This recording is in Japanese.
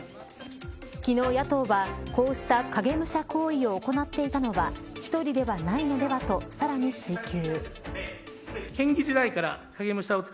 昨日、野党は、こうした影武者行為を行っていたのは１人ではないのではとさらに追及。